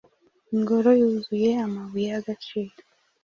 Ingoro yuzuye amabuye yagaciro